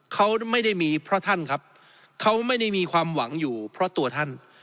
เขาไม่ได้มีเพราะท่านครับเขาไม่ได้มีความหวังอยู่เพราะตัวท่าน